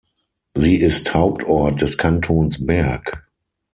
Sie ist Hauptort des Kantons Berck.